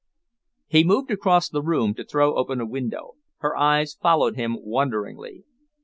He moved across the room to throw open a window. Her eyes followed him wonderingly.